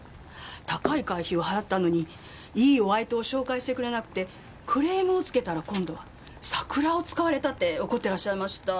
高い会費を払ったのにいいお相手を紹介してくれなくてクレームをつけたら今度はサクラを使われたって怒ってらっしゃいました。